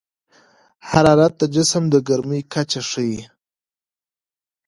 حرارت د جسم د ګرمۍ کچه ښيي.